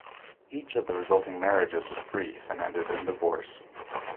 Each of the resulting marriages was brief and ended in divorce.